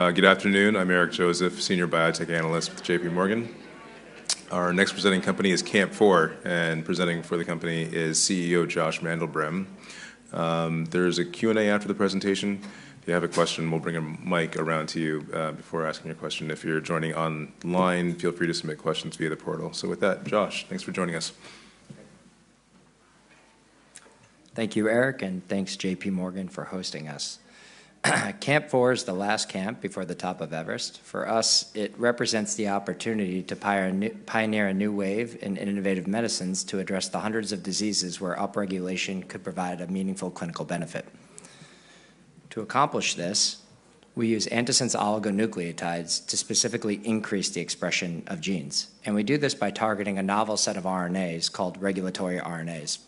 Good afternoon. I'm Eric Joseph, Senior Biotech Analyst with JPMorgan. Our next presenting company is CAMP4, and presenting for the company is CEO Josh Mandel-Brehm. There's a Q&A after the presentation. If you have a question, we'll bring a mic around to you before asking your question. If you're joining online, feel free to submit questions via the portal. So with that, Josh, thanks for joining us. Thank you, Eric, and thanks, JPMorgan, for hosting us. CAMP4 is the last camp before the top of Everest. For us, it represents the opportunity to pioneer a new wave in innovative medicines to address the hundreds of diseases where upregulation could provide a meaningful clinical benefit. To accomplish this, we use antisense oligonucleotides to specifically increase the expression of genes. And we do this by targeting a novel set of RNAs called regulatory RNAs.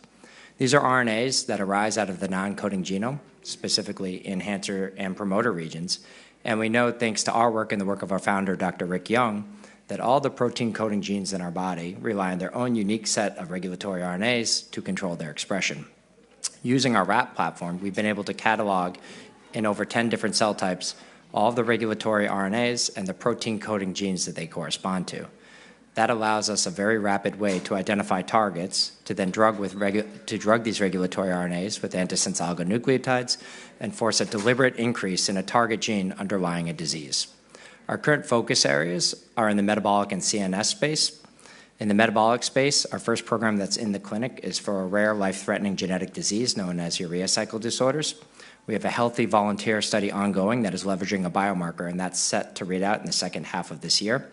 These are RNAs that arise out of the non-coding genome, specifically enhancer and promoter regions. And we know, thanks to our work and the work of our founder, Dr. Rick Young, that all the protein-coding genes in our body rely on their own unique set of regulatory RNAs to control their expression. Using our RAP Platform, we've been able to catalog in over 10 different cell types all the regulatory RNAs and the protein-coding genes that they correspond to. That allows us a very rapid way to identify targets, to then drug these regulatory RNAs with antisense oligonucleotides, and force a deliberate increase in a target gene underlying a disease. Our current focus areas are in the metabolic and CNS space. In the metabolic space, our first program that's in the clinic is for a rare, life-threatening genetic disease known as urea cycle disorders. We have a healthy volunteer study ongoing that is leveraging a biomarker, and that's set to read out in the second half of this year.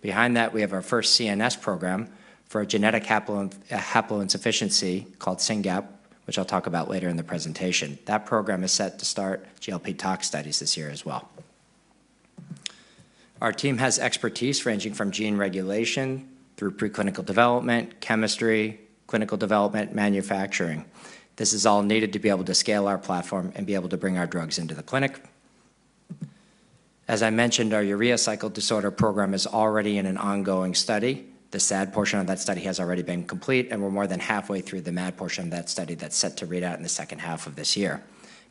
Behind that, we have our first CNS program for a genetic haploinsufficiency called SYNGAP, which I'll talk about later in the presentation. That program is set to start GLP tox studies this year as well. Our team has expertise ranging from gene regulation through preclinical development, chemistry, clinical development, manufacturing. This is all needed to be able to scale our platform and be able to bring our drugs into the clinic. As I mentioned, our urea cycle disorder program is already in an ongoing study. The SAD portion of that study has already been complete, and we're more than halfway through the MAD portion of that study that's set to read out in the second half of this year.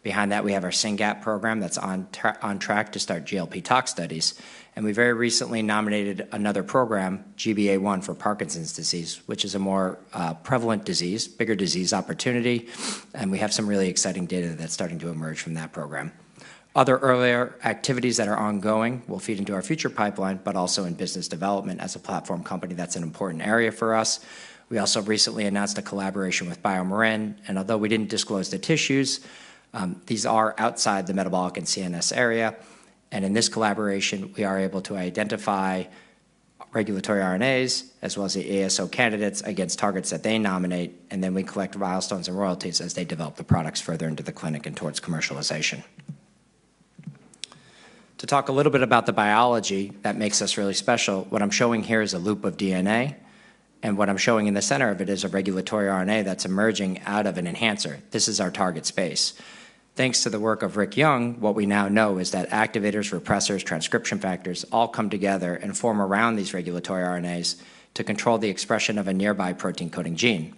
Behind that, we have our SYNGAP program that's on track to start GLP tox studies. And we very recently nominated another program, GBA1 for Parkinson's disease, which is a more prevalent disease, bigger disease opportunity. And we have some really exciting data that's starting to emerge from that program. Other earlier activities that are ongoing will feed into our future pipeline, but also in business development as a platform company. That's an important area for us. We also recently announced a collaboration with BioMarin. And although we didn't disclose the tissues, these are outside the metabolic and CNS area. In this collaboration, we are able to identify regulatory RNAs as well as the ASO candidates against targets that they nominate. Then we collect milestones and royalties as they develop the products further into the clinic and towards commercialization. To talk a little bit about the biology that makes us really special, what I'm showing here is a loop of DNA. What I'm showing in the center of it is a regulatory RNA that's emerging out of an enhancer. This is our target space. Thanks to the work of Rick Young, what we now know is that activators, repressors, transcription factors all come together and form around these regulatory RNAs to control the expression of a nearby protein-coding gene.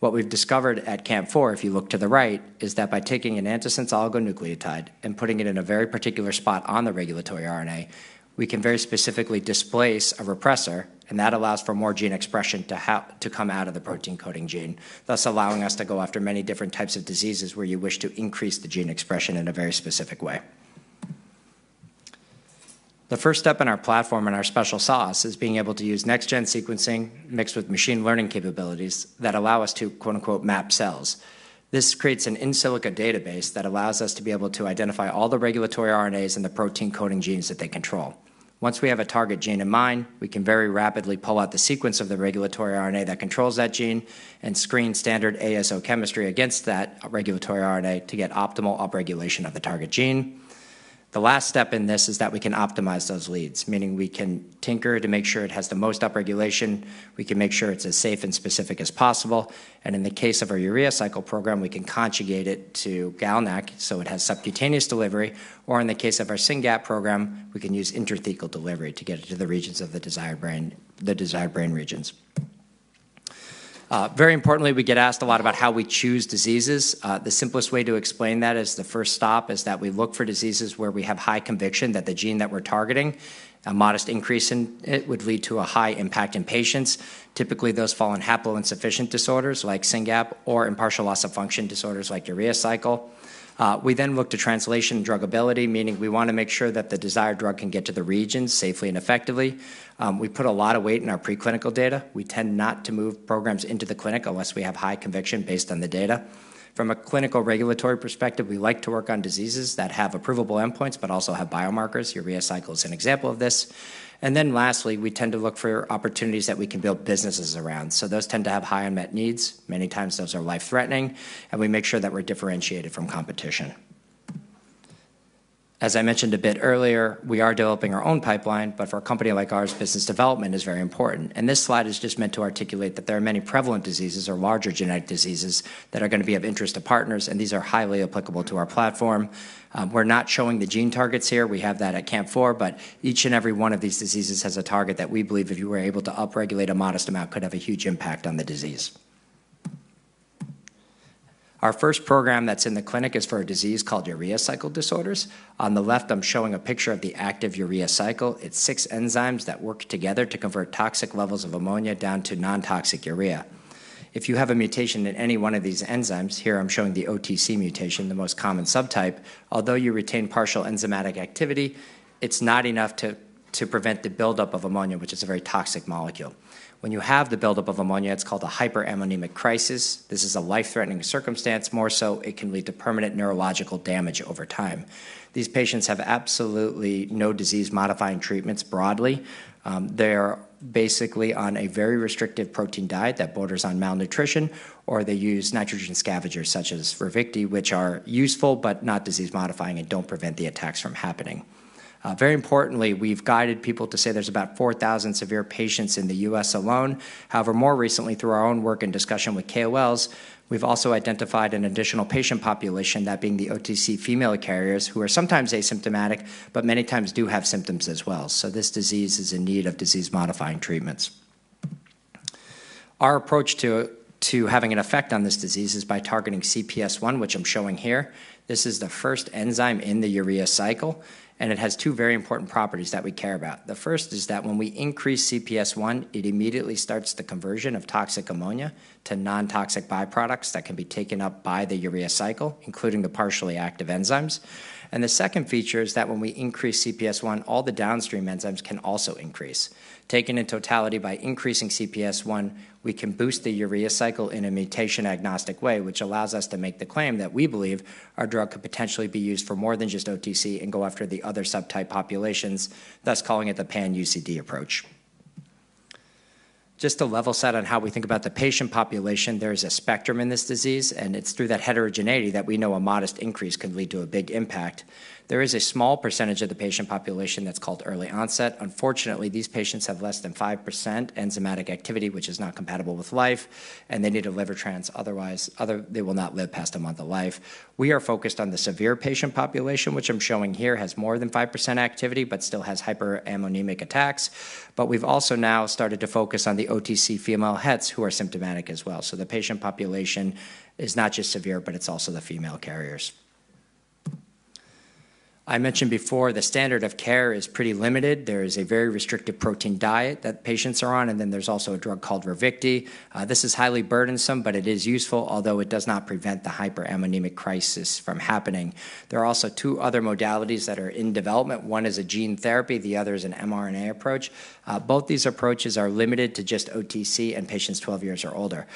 What we've discovered at CAMP4, if you look to the right, is that by taking an antisense oligonucleotide and putting it in a very particular spot on the regulatory RNA, we can very specifically displace a repressor, and that allows for more gene expression to come out of the protein-coding gene, thus allowing us to go after many different types of diseases where you wish to increase the gene expression in a very specific way. The first step in our platform and our special sauce is being able to use next-gen sequencing mixed with machine learning capabilities that allow us to "map cells." This creates an in silico database that allows us to be able to identify all the regulatory RNAs and the protein-coding genes that they control. Once we have a target gene in mind, we can very rapidly pull out the sequence of the regulatory RNA that controls that gene and screen standard ASO chemistry against that regulatory RNA to get optimal upregulation of the target gene. The last step in this is that we can optimize those leads, meaning we can tinker to make sure it has the most upregulation. We can make sure it's as safe and specific as possible, and in the case of our urea cycle program, we can conjugate it to GalNAc so it has subcutaneous delivery. Or in the case of our SYNGAP program, we can use intrathecal delivery to get it to the regions of the desired brain regions. Very importantly, we get asked a lot about how we choose diseases. The simplest way to explain that is the first stop is that we look for diseases where we have high conviction that the gene that we're targeting, a modest increase in it, would lead to a high impact in patients. Typically, those fall in haploinsufficient disorders like SYNGAP or in partial loss of function disorders like urea cycle. We then look to translation and drug ability, meaning we want to make sure that the desired drug can get to the regions safely and effectively. We put a lot of weight in our preclinical data. We tend not to move programs into the clinic unless we have high conviction based on the data. From a clinical regulatory perspective, we like to work on diseases that have approvable endpoints but also have biomarkers. Urea cycle is an example of this, and then lastly, we tend to look for opportunities that we can build businesses around, so those tend to have high unmet needs. Many times, those are life-threatening, and we make sure that we're differentiated from competition. As I mentioned a bit earlier, we are developing our own pipeline, but for a company like ours, business development is very important, and this slide is just meant to articulate that there are many prevalent diseases or larger genetic diseases that are going to be of interest to partners, and these are highly applicable to our platform. We're not showing the gene targets here. We have that at CAMP4. But each and every one of these diseases has a target that we believe if you were able to upregulate a modest amount, could have a huge impact on the disease. Our first program that's in the clinic is for a disease called urea cycle disorders. On the left, I'm showing a picture of the active urea cycle. It's six enzymes that work together to convert toxic levels of ammonia down to non-toxic urea. If you have a mutation in any one of these enzymes, here I'm showing the OTC mutation, the most common subtype. Although you retain partial enzymatic activity, it's not enough to prevent the buildup of ammonia, which is a very toxic molecule. When you have the buildup of ammonia, it's called a hyperammonemic crisis. This is a life-threatening circumstance. More so, it can lead to permanent neurological damage over time. These patients have absolutely no disease-modifying treatments broadly. They are basically on a very restrictive protein diet that borders on malnutrition, or they use nitrogen scavengers such as Ravicti, which are useful but not disease-modifying and don't prevent the attacks from happening. Very importantly, we've guided people to say there's about 4,000 severe patients in the U.S. alone. However, more recently, through our own work and discussion with KOLs, we've also identified an additional patient population, that being the OTC female carriers, who are sometimes asymptomatic but many times do have symptoms as well, so this disease is in need of disease-modifying treatments. Our approach to having an effect on this disease is by targeting CPS1, which I'm showing here. This is the first enzyme in the urea cycle, and it has two very important properties that we care about. The first is that when we increase CPS1, it immediately starts the conversion of toxic ammonia to non-toxic byproducts that can be taken up by the urea cycle, including the partially active enzymes. And the second feature is that when we increase CPS1, all the downstream enzymes can also increase. Taken in totality, by increasing CPS1, we can boost the urea cycle in a mutation-agnostic way, which allows us to make the claim that we believe our drug could potentially be used for more than just OTC and go after the other subtype populations, thus calling it the pan-UCD approach. Just to level set on how we think about the patient population, there is a spectrum in this disease. And it's through that heterogeneity that we know a modest increase can lead to a big impact. There is a small percentage of the patient population that's called early onset. Unfortunately, these patients have less than 5% enzymatic activity, which is not compatible with life. And they need a liver transplant. Otherwise, they will not live past a month of life. We are focused on the severe patient population, which I'm showing here has more than 5% activity but still has hyperammonemic attacks. But we've also now started to focus on the OTC female hets who are symptomatic as well. So the patient population is not just severe, but it's also the female carriers. I mentioned before the standard of care is pretty limited. There is a very restrictive protein diet that patients are on. And then there's also a drug called Ravicti. This is highly burdensome, but it is useful, although it does not prevent the hyperammonemic crisis from happening. There are also two other modalities that are in development. One is a gene therapy. The other is an mRNA approach. Both these approaches are limited to just OTC and patients 12 years or older.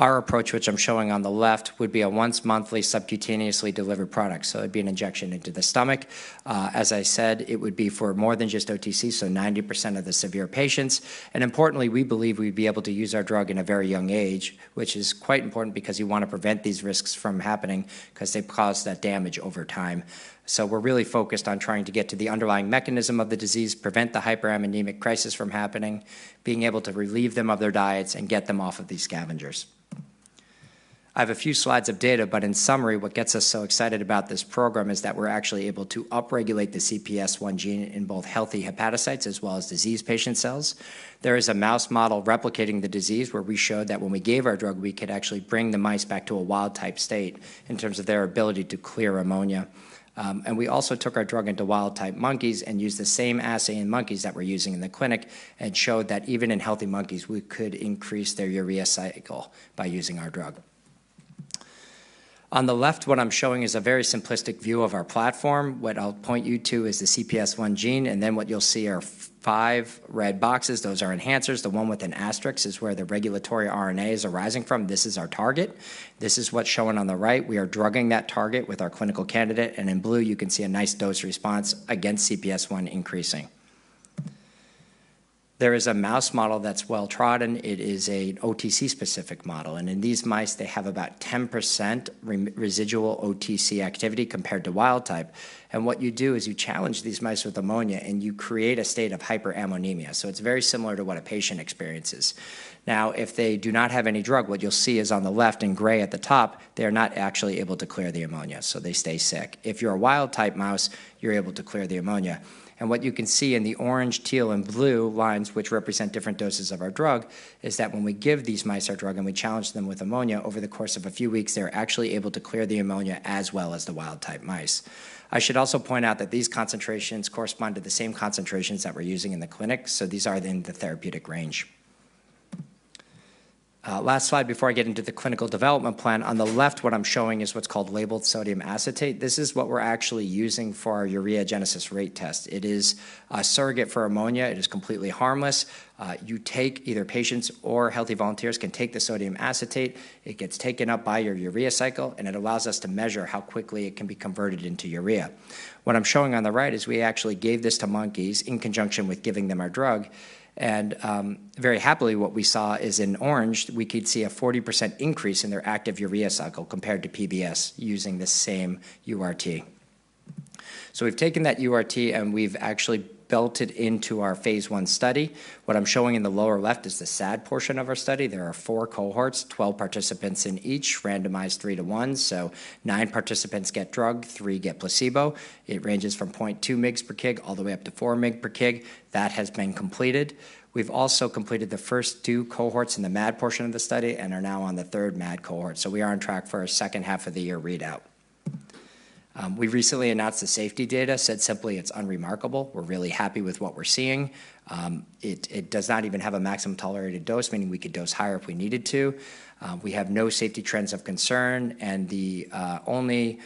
Our approach, which I'm showing on the left, would be a once-monthly subcutaneously delivered product, so it'd be an injection into the stomach. As I said, it would be for more than just OTC, so 90% of the severe patients, and importantly, we believe we'd be able to use our drug in a very young age, which is quite important because you want to prevent these risks from happening because they cause that damage over time, so we're really focused on trying to get to the underlying mechanism of the disease, prevent the hyperammonemic crisis from happening, being able to relieve them of their diets, and get them off of these scavengers. I have a few slides of data. But in summary, what gets us so excited about this program is that we're actually able to upregulate the CPS1 gene in both healthy hepatocytes as well as disease patient cells. There is a mouse model replicating the disease where we showed that when we gave our drug, we could actually bring the mice back to a wild-type state in terms of their ability to clear ammonia. And we also took our drug into wild-type monkeys and used the same assay in monkeys that we're using in the clinic and showed that even in healthy monkeys, we could increase their urea cycle by using our drug. On the left, what I'm showing is a very simplistic view of our platform. What I'll point you to is the CPS1 gene. And then what you'll see are five red boxes. Those are enhancers. The one with an asterisk is where the regulatory RNA is arising from. This is our target. This is what's shown on the right. We are drugging that target with our clinical candidate. And in blue, you can see a nice dose response against CPS1 increasing. There is a mouse model that's well-trodden. It is an OTC-specific model. And in these mice, they have about 10% residual OTC activity compared to wild-type. And what you do is you challenge these mice with ammonia, and you create a state of hyperammonemia. So it's very similar to what a patient experiences. Now, if they do not have any drug, what you'll see is on the left in gray at the top, they are not actually able to clear the ammonia. So they stay sick. If you're a wild-type mouse, you're able to clear the ammonia. What you can see in the orange, teal, and blue lines, which represent different doses of our drug, is that when we give these mice our drug and we challenge them with ammonia, over the course of a few weeks, they're actually able to clear the ammonia as well as the wild-type mice. I should also point out that these concentrations correspond to the same concentrations that we're using in the clinic. These are in the therapeutic range. Last slide before I get into the clinical development plan. On the left, what I'm showing is what's called labeled sodium acetate. This is what we're actually using for our ureagenesis rate test. It is a surrogate for ammonia. It is completely harmless. Either patients or healthy volunteers can take the sodium acetate. It gets taken up by your urea cycle. And it allows us to measure how quickly it can be converted into urea. What I'm showing on the right is we actually gave this to monkeys in conjunction with giving them our drug. And very happily, what we saw is in orange, we could see a 40% increase in their active urea cycle compared to PBS using the same URT. So we've taken that URT, and we've actually built it into our Phase I study. What I'm showing in the lower left is the SAD portion of our study. There are four cohorts, 12 participants in each, randomized three to one. So nine participants get drug, three get placebo. It ranges from 0.2 mg per kg all the way up to 4 mg per kg. That has been completed. We've also completed the first two cohorts in the MAD portion of the study and are now on the third MAD cohort, so we are on track for our second half of the year readout. We recently announced the safety data. Said simply, it's unremarkable. We're really happy with what we're seeing. It does not even have a maximum tolerated dose, meaning we could dose higher if we needed to. We have no safety trends of concern, and the only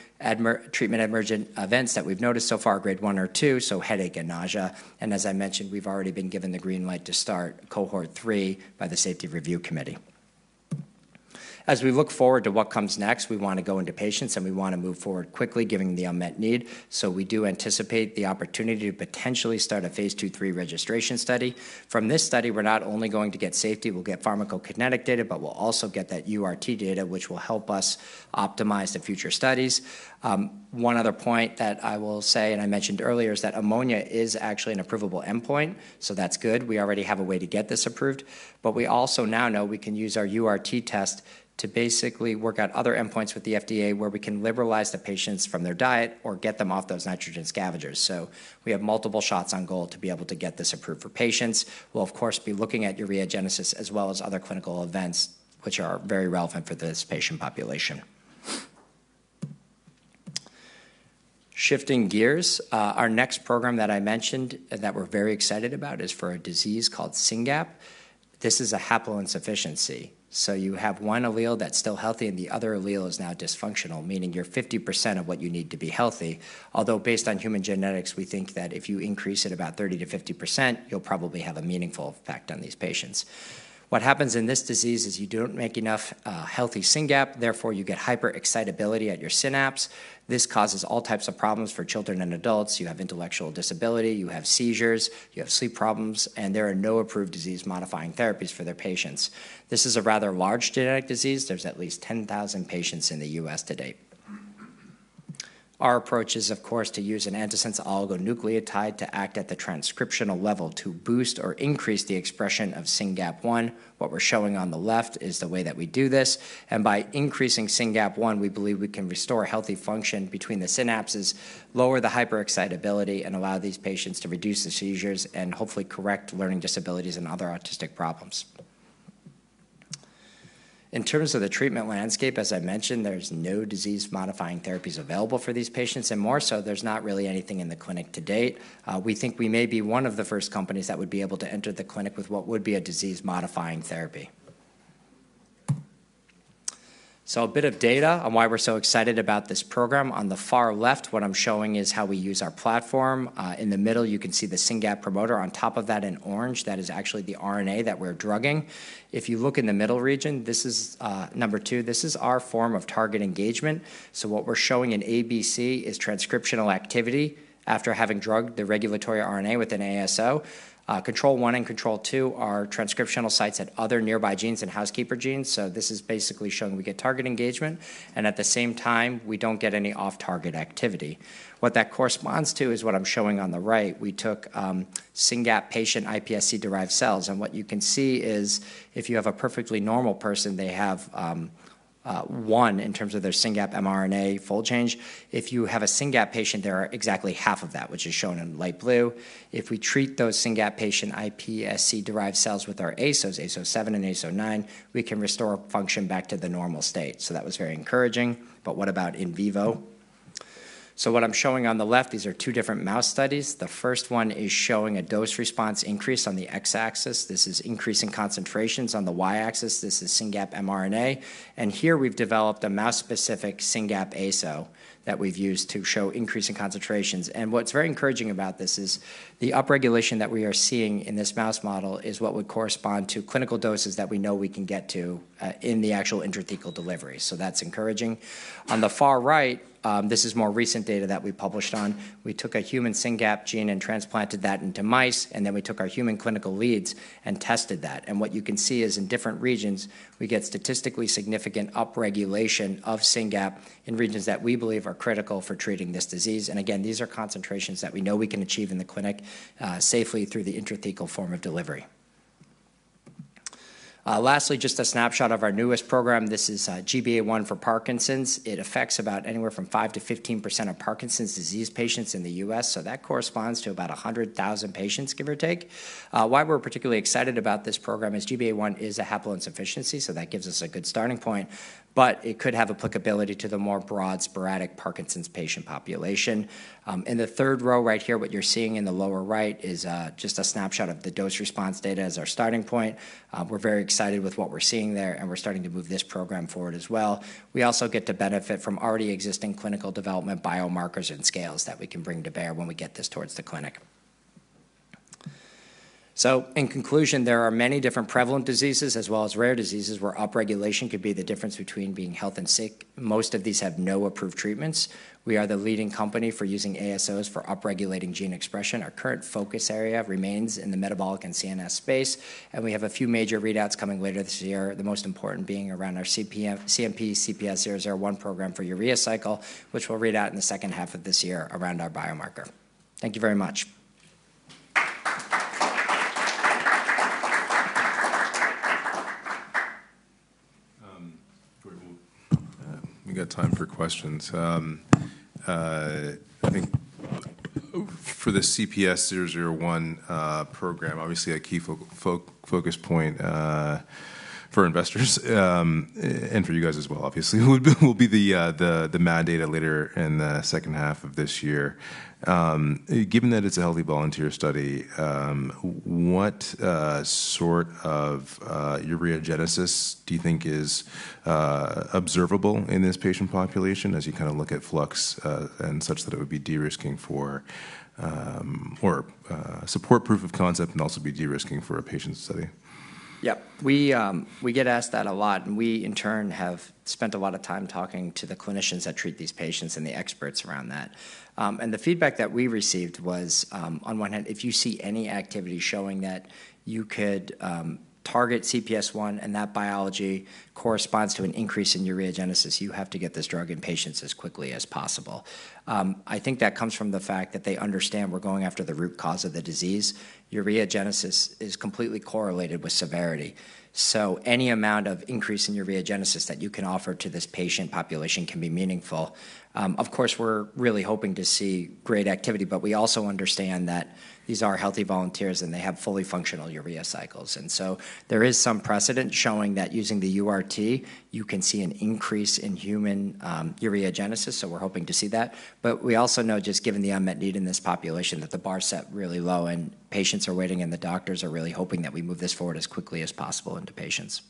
treatment emergent events that we've noticed so far are grade one or two, so headache and nausea. And as I mentioned, we've already been given the green light to start cohort three by the safety review committee. As we look forward to what comes next, we want to go into patients, and we want to move forward quickly, given the unmet need. We do anticipate the opportunity to potentially start a phase two, three registration study. From this study, we're not only going to get safety. We'll get pharmacokinetic data, but we'll also get that URT data, which will help us optimize the future studies. One other point that I will say, and I mentioned earlier, is that ammonia is actually an approvable endpoint. So that's good. We already have a way to get this approved. But we also now know we can use our URT test to basically work out other endpoints with the FDA where we can liberalize the patients from their diet or get them off those nitrogen scavengers. So we have multiple shots on goal to be able to get this approved for patients. We'll, of course, be looking at ureagenesis as well as other clinical events, which are very relevant for this patient population. Shifting gears, our next program that I mentioned that we're very excited about is for a disease called SYNGAP. This is a haploinsufficiency. So you have one allele that's still healthy, and the other allele is now dysfunctional, meaning you're 50% of what you need to be healthy. Although based on human genetics, we think that if you increase it about 30%-50%, you'll probably have a meaningful effect on these patients. What happens in this disease is you don't make enough healthy SYNGAP. Therefore, you get hyperexcitability at your synapse. This causes all types of problems for children and adults. You have intellectual disability. You have seizures. You have sleep problems. And there are no approved disease-modifying therapies for their patients. This is a rather large genetic disease. There's at least 10,000 patients in the U.S. today. Our approach is, of course, to use an antisense oligonucleotide to act at the transcriptional level to boost or increase the expression of SYNGAP1. What we're showing on the left is the way that we do this, and by increasing SYNGAP1, we believe we can restore healthy function between the synapses, lower the hyperexcitability, and allow these patients to reduce the seizures and hopefully correct learning disabilities and other autistic problems. In terms of the treatment landscape, as I mentioned, there's no disease-modifying therapies available for these patients, and more so, there's not really anything in the clinic to date. We think we may be one of the first companies that would be able to enter the clinic with what would be a disease-modifying therapy, so a bit of data on why we're so excited about this program. On the far left, what I'm showing is how we use our platform. In the middle, you can see the SYNGAP promoter on top of that in orange. That is actually the RNA that we're drugging. If you look in the middle region, this is number two. This is our form of target engagement. So what we're showing in ABC is transcriptional activity after having drugged the regulatory RNA with an ASO. Control 1 and Control 2 are transcriptional sites at other nearby genes and housekeeper genes. So this is basically showing we get target engagement and at the same time, we don't get any off-target activity. What that corresponds to is what I'm showing on the right. We took SYNGAP patient iPSC-derived cells, and what you can see is if you have a perfectly normal person, they have one in terms of their SYNGAP mRNA full-length. If you have a SYNGAP patient, there are exactly half of that, which is shown in light blue. If we treat those SYNGAP patient iPSC-derived cells with our ASOs, ASO7 and ASO9, we can restore function back to the normal state. So that was very encouraging. But what about in vivo? So what I'm showing on the left, these are two different mouse studies. The first one is showing a dose response increase on the x-axis. This is increasing concentrations. On the y-axis, this is SYNGAP mRNA. And here, we've developed a mouse-specific SYNGAP ASO that we've used to show increasing concentrations. And what's very encouraging about this is the upregulation that we are seeing in this mouse model is what would correspond to clinical doses that we know we can get to in the actual intrathecal delivery. So that's encouraging. On the far right, this is more recent data that we published on. We took a human SYNGAP gene and transplanted that into mice, and then we took our human clinical leads and tested that. And what you can see is in different regions, we get statistically significant upregulation of SYNGAP in regions that we believe are critical for treating this disease, and again, these are concentrations that we know we can achieve in the clinic safely through the intrathecal form of delivery. Lastly, just a snapshot of our newest program. This is GBA1 for Parkinson's. It affects about anywhere from 5%-15% of Parkinson's disease patients in the U.S. So that corresponds to about 100,000 patients, give or take. Why we're particularly excited about this program is GBA1 is a haploinsufficiency. So that gives us a good starting point. But it could have applicability to the more broad sporadic Parkinson's patient population. In the third row right here, what you're seeing in the lower right is just a snapshot of the dose response data as our starting point. We're very excited with what we're seeing there. And we're starting to move this program forward as well. We also get to benefit from already existing clinical development biomarkers and scales that we can bring to bear when we get this towards the clinic. So in conclusion, there are many different prevalent diseases as well as rare diseases where upregulation could be the difference between being healthy and sick. Most of these have no approved treatments. We are the leading company for using ASOs for upregulating gene expression. Our current focus area remains in the metabolic and CNS space. We have a few major readouts coming later this year, the most important being around our CMP-CPS-001 program for urea cycle, which we'll read out in the second half of this year around our biomarker. Thank you very much. We got time for questions. I think for the CMP-CPS-001 program, obviously a key focus point for investors and for you guys as well, obviously, will be the MAD data later in the second half of this year. Given that it's a healthy volunteer study, what sort of ureagenesis do you think is observable in this patient population as you kind of look at flux and such that it would be de-risking for or support proof of concept and also be de-risking for a patient study? Yep. We get asked that a lot. And we, in turn, have spent a lot of time talking to the clinicians that treat these patients and the experts around that. And the feedback that we received was, on one hand, if you see any activity showing that you could target CPS1 and that biology corresponds to an increase in ureagenesis, you have to get this drug in patients as quickly as possible. I think that comes from the fact that they understand we're going after the root cause of the disease. Ureagenesis is completely correlated with severity. So any amount of increase in ureagenesis that you can offer to this patient population can be meaningful. Of course, we're really hoping to see great activity. But we also understand that these are healthy volunteers, and they have fully functional urea cycles. There is some precedent showing that using the URT, you can see an increase in human ureagenesis. We're hoping to see that. But we also know, just given the unmet need in this population, that the bar is set really low. Patients are waiting. The doctors are really hoping that we move this forward as quickly as possible into patients.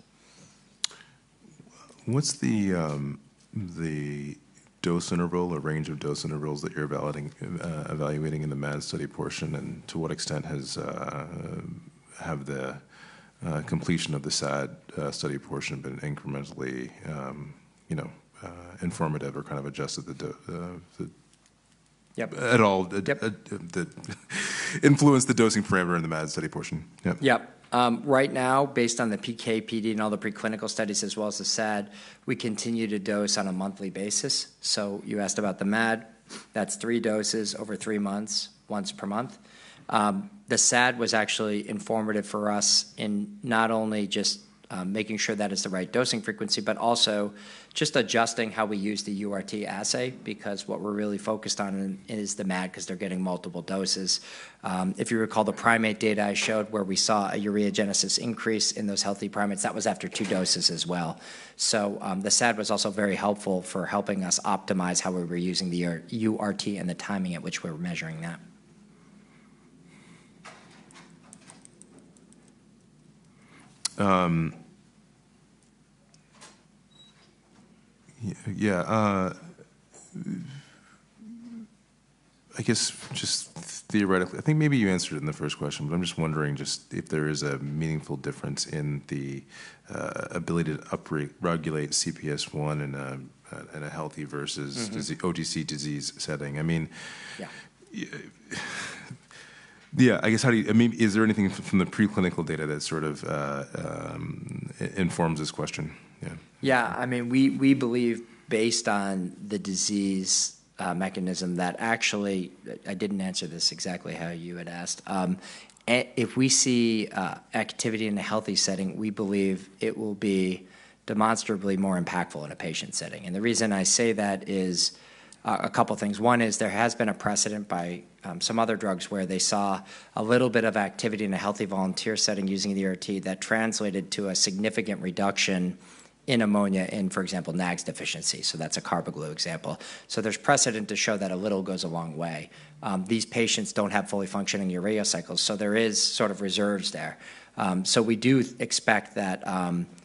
What's the dose interval, a range of dose intervals that you're evaluating in the MAD study portion? And to what extent have the completion of the SAD study portion been incrementally informative or kind of adjusted at all to influence the dosing parameter in the MAD study portion? Yep. Right now, based on the PK, PD, and all the preclinical studies, as well as the SAD, we continue to dose on a monthly basis. So you asked about the MAD. That's three doses over three months, once per month. The SAD was actually informative for us in not only just making sure that it's the right dosing frequency, but also just adjusting how we use the URT assay, because what we're really focused on is the MAD, because they're getting multiple doses. If you recall the primate data I showed where we saw a ureagenesis increase in those healthy primates, that was after two doses as well. So the SAD was also very helpful for helping us optimize how we were using the URT and the timing at which we were measuring that. Yeah. I guess just theoretically, I think maybe you answered it in the first question. But I'm just wondering just if there is a meaningful difference in the ability to upregulate CPS1 in a healthy versus OTC disease setting. I mean, yeah, I guess how do you, I mean, is there anything from the preclinical data that sort of informs this question? Yeah. I mean, we believe, based on the disease mechanism, that actually, I didn't answer this exactly how you had asked. If we see activity in a healthy setting, we believe it will be demonstrably more impactful in a patient setting, and the reason I say that is a couple of things. One is there has been a precedent by some other drugs where they saw a little bit of activity in a healthy volunteer setting using the URT that translated to a significant reduction in ammonia in, for example, NAGS deficiency, so that's a Carbaglu example, so there's precedent to show that a little goes a long way. These patients don't have fully functioning urea cycles, so there is sort of reserves there. So we do expect that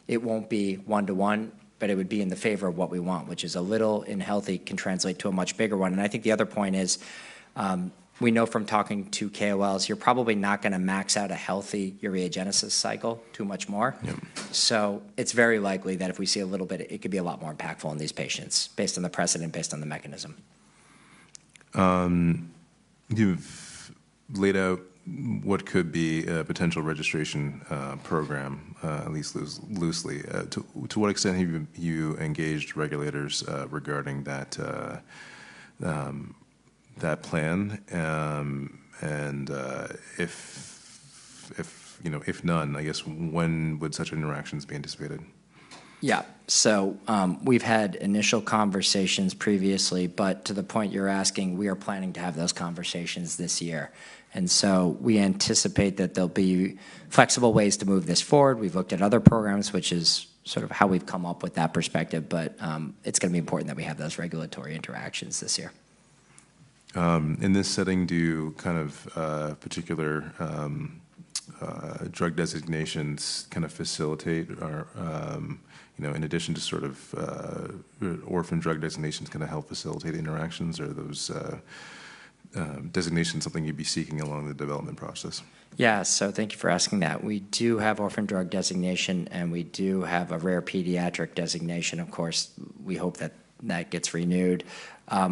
it won't be one to one, but it would be in the favor of what we want, which is a little in healthy can translate to a much bigger one. And I think the other point is we know from talking to KOLs; you're probably not going to max out a healthy ureagenesis cycle too much more. So it's very likely that if we see a little bit, it could be a lot more impactful in these patients, based on the precedent, based on the mechanism. You've laid out what could be a potential registration program, at least loosely. To what extent have you engaged regulators regarding that plan? And if none, I guess, when would such interactions be anticipated? Yeah, so we've had initial conversations previously. But to the point you're asking, we are planning to have those conversations this year, and so we anticipate that there'll be flexible ways to move this forward. We've looked at other programs, which is sort of how we've come up with that perspective, but it's going to be important that we have those regulatory interactions this year. In this setting, do kind of particular drug designations kind of facilitate or, in addition to sort of orphan drug designations, kind of help facilitate interactions? Are those designations something you'd be seeking along the development process? Yeah, so thank you for asking that. We do have orphan drug designation, and we do have a rare pediatric designation. Of course, we hope that that gets renewed.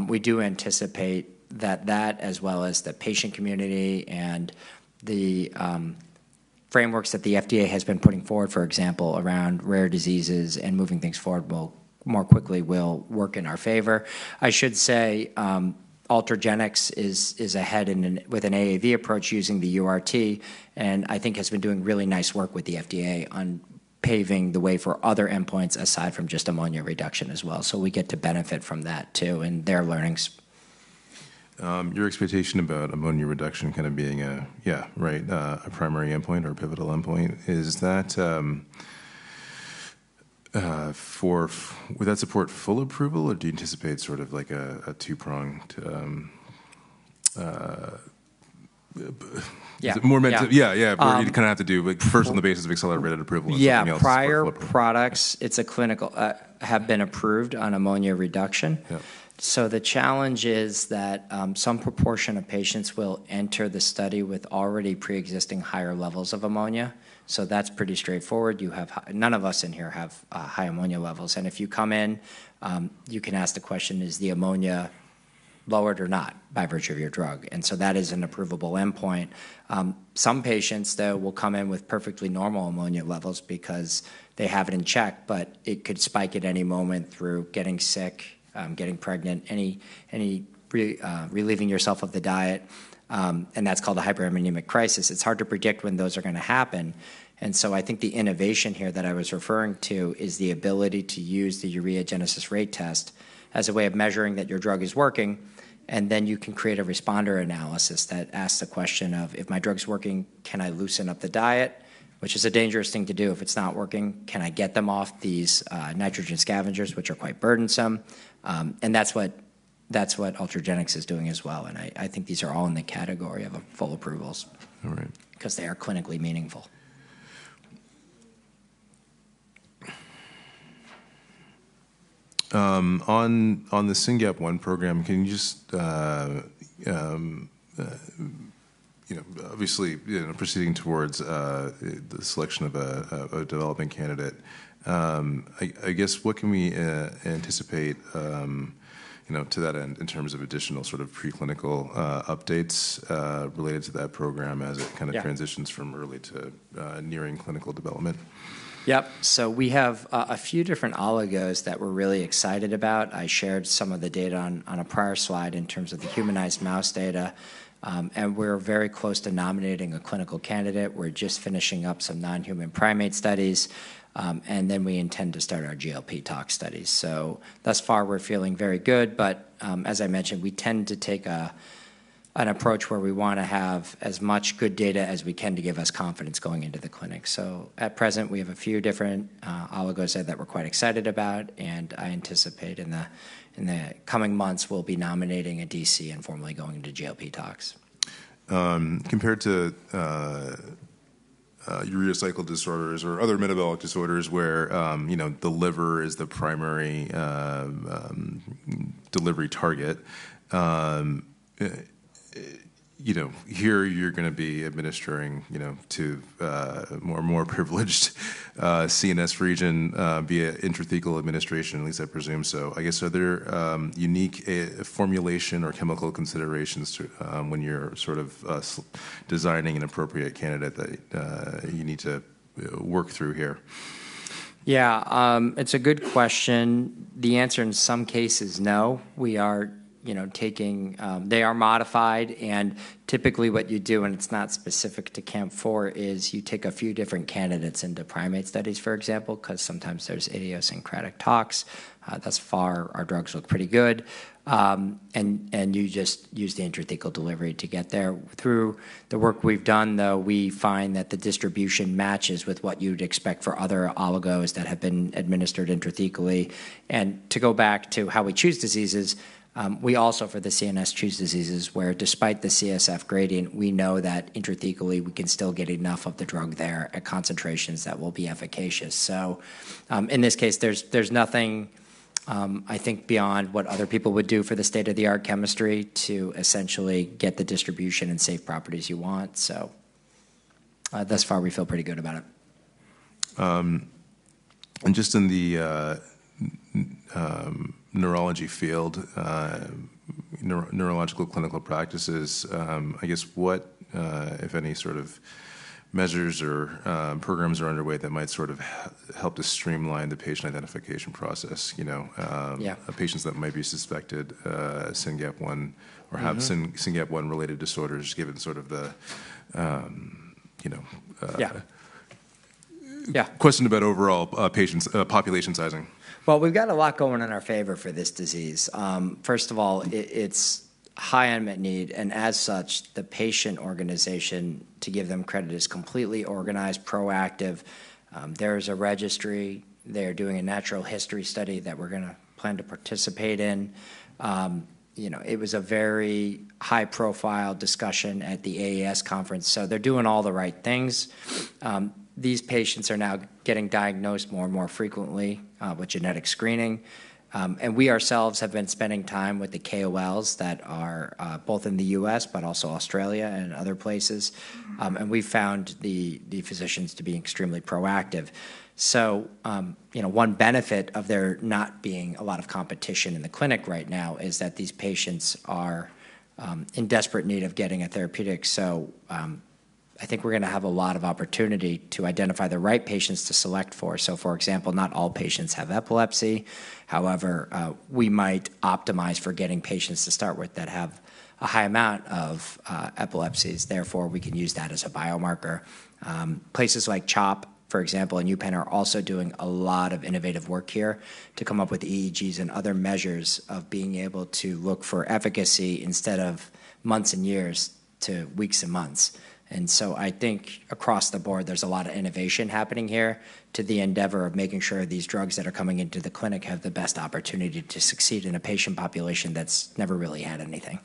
We do anticipate that that, as well as the patient community and the frameworks that the FDA has been putting forward, for example, around rare diseases and moving things forward more quickly, will work in our favor. I should say Ultragenyx is ahead with an AAV approach using the URT, and I think it has been doing really nice work with the FDA on paving the way for other endpoints aside from just ammonia reduction as well, so we get to benefit from that too and their learnings. Your expectation about ammonia reduction kind of being, yeah, right, a primary endpoint or a pivotal endpoint, is that would that support full approval? Or do you anticipate sort of like a two-pronged? Yeah. More meant to, where you kind of have to do first on the basis of accelerated approval and then you'll see full approval. Yeah. Prior products, it's a clinical, have been approved on ammonia reduction. So the challenge is that some proportion of patients will enter the study with already pre-existing higher levels of ammonia. So that's pretty straightforward. None of us in here have high ammonia levels. And if you come in, you can ask the question, is the ammonia lowered or not by virtue of your drug? And so that is an approvable endpoint. Some patients, though, will come in with perfectly normal ammonia levels because they have it in check. But it could spike at any moment through getting sick, getting pregnant, relieving yourself of the diet. And that's called a hyperammonemic crisis. It's hard to predict when those are going to happen. And so I think the innovation here that I was referring to is the ability to use the ureagenesis rate test as a way of measuring that your drug is working. And then you can create a responder analysis that asks the question of, if my drug's working, can I loosen up the diet, which is a dangerous thing to do. If it's not working, can I get them off these nitrogen scavengers, which are quite burdensome? And that's what Ultragenyx is doing as well. And I think these are all in the category of full approvals because they are clinically meaningful. On the SYNGAP1 program, can you just, obviously, proceeding towards the selection of a developing candidate, I guess, what can we anticipate to that end in terms of additional sort of preclinical updates related to that program as it kind of transitions from early to nearing clinical development? Yep. So we have a few different oligos that we're really excited about. I shared some of the data on a prior slide in terms of the humanized mouse data. And we're very close to nominating a clinical candidate. We're just finishing up some non-human primate studies. And then we intend to start our GLP tox studies. So thus far, we're feeling very good. But as I mentioned, we tend to take an approach where we want to have as much good data as we can to give us confidence going into the clinic. So at present, we have a few different oligos that we're quite excited about. And I anticipate in the coming months we'll be nominating a DC and formally going into GLP tox. Compared to urea cycle disorders or other metabolic disorders where the liver is the primary delivery target, here you're going to be administering to a more privileged CNS region via intrathecal administration, at least I presume so. I guess, are there unique formulation or chemical considerations when you're sort of designing an appropriate candidate that you need to work through here? Yeah. It's a good question. The answer in some cases, no. We are taking. They are modified. And typically what you do, and it's not specific to CAMP4, is you take a few different candidates into primate studies, for example, because sometimes there's idiosyncratic tox. Thus far, our drugs look pretty good. And you just use the intrathecal delivery to get there. Through the work we've done, though, we find that the distribution matches with what you'd expect for other oligos that have been administered intrathecally. And to go back to how we choose diseases, we also, for the CNS, choose diseases where, despite the CSF gradient, we know that intrathecally we can still get enough of the drug there at concentrations that will be efficacious. So in this case, there's nothing, I think, beyond what other people would do for the state-of-the-art chemistry to essentially get the distribution and safe properties you want. So thus far, we feel pretty good about it. Just in the neurology field, neurological clinical practices, I guess, what, if any, sort of measures or programs are underway that might sort of help to streamline the patient identification process of patients that might be suspected SYNGAP1 or have SYNGAP1-related disorders, given sort of the question about overall population sizing? We've got a lot going in our favor for this disease. First of all, it's high unmet need. And as such, the patient organization, to give them credit, is completely organized, proactive. There is a registry. They are doing a natural history study that we're going to plan to participate in. It was a very high-profile discussion at the AES conference. So they're doing all the right things. These patients are now getting diagnosed more and more frequently with genetic screening. And we ourselves have been spending time with the KOLs that are both in the U.S. but also Australia and other places. And we've found the physicians to be extremely proactive. So one benefit of there not being a lot of competition in the clinic right now is that these patients are in desperate need of getting a therapeutic. So I think we're going to have a lot of opportunity to identify the right patients to select for. So, for example, not all patients have epilepsy. However, we might optimize for getting patients to start with that have a high amount of epilepsies. Therefore, we can use that as a biomarker. Places like CHOP, for example, and Penn are also doing a lot of innovative work here to come up with EEGs and other measures of being able to look for efficacy instead of months and years to weeks and months. And so I think across the board, there's a lot of innovation happening here to the endeavor of making sure these drugs that are coming into the clinic have the best opportunity to succeed in a patient population that's never really had anything.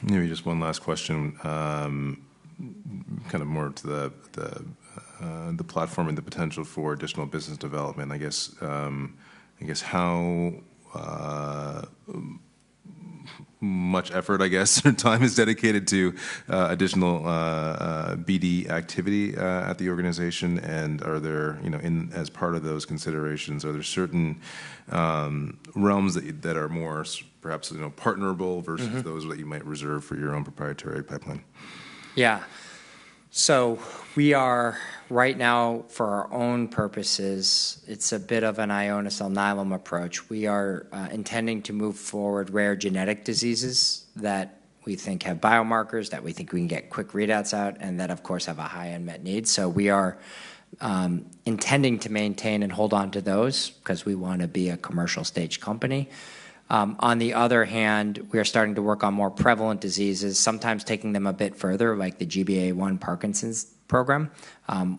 Maybe just one last question, kind of more to the platform and the potential for additional business development. I guess, how much effort, I guess, or time is dedicated to additional BD activity at the organization? And as part of those considerations, are there certain realms that are more perhaps partnerable versus those that you might reserve for your own proprietary pipeline? Yeah. So we are right now, for our own purposes, it's a bit of an Ionis-Alnylam approach. We are intending to move forward rare genetic diseases that we think have biomarkers, that we think we can get quick readouts out, and that, of course, have a high unmet need. So we are intending to maintain and hold on to those because we want to be a commercial-stage company. On the other hand, we are starting to work on more prevalent diseases, sometimes taking them a bit further, like the GBA1 Parkinson's program,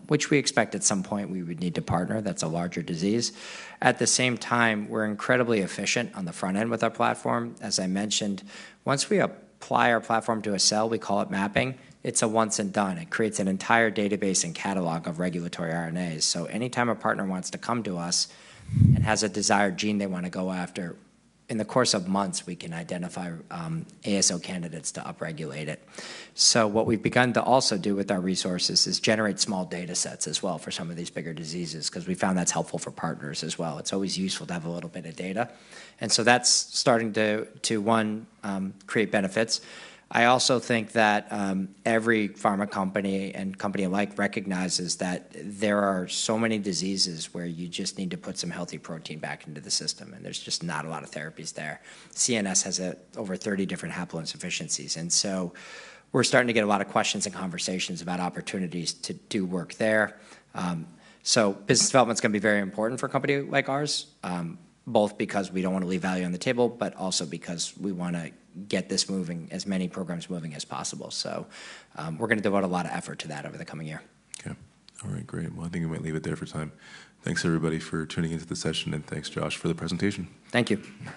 which we expect at some point we would need to partner. That's a larger disease. At the same time, we're incredibly efficient on the front end with our platform. As I mentioned, once we apply our platform to a cell, we call it mapping. It's a once and done. It creates an entire database and catalog of regulatory RNAs. So anytime a partner wants to come to us and has a desired gene they want to go after, in the course of months, we can identify ASO candidates to upregulate it. So what we've begun to also do with our resources is generate small data sets as well for some of these bigger diseases because we found that's helpful for partners as well. It's always useful to have a little bit of data. And so that's starting to, one, create benefits. I also think that every pharma company and company alike recognizes that there are so many diseases where you just need to put some healthy protein back into the system. And there's just not a lot of therapies there. CNS has over 30 different haploinsufficiencies. And so we're starting to get a lot of questions and conversations about opportunities to do work there. So business development is going to be very important for a company like ours, both because we don't want to leave value on the table, but also because we want to get this moving, as many programs moving as possible. So we're going to devote a lot of effort to that over the coming year. Yeah. All right. Great. Well, I think we might leave it there for time. Thanks, everybody, for tuning into the session. And thanks, Josh, for the presentation. Thank you.